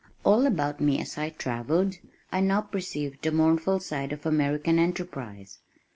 All about me as I travelled, I now perceived the mournful side of American "enterprise."